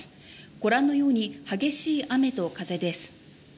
ご覧のように激しい雨と風です。